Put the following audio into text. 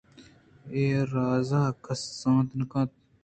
اے رازاں کس زانت نہ کنت